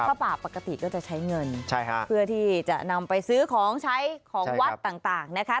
ผ้าป่าปกติก็จะใช้เงินเพื่อที่จะนำไปซื้อของใช้ของวัดต่างนะคะ